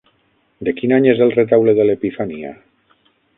De quin any és El Retaule de l'Epifania?